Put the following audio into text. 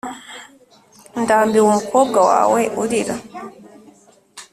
ndambiwe umukobwa wawe urira